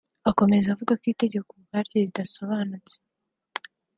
Akomeza avuga ko itegeko ubwaryo ridasobanutse